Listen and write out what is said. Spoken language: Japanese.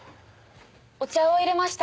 お茶を淹れました。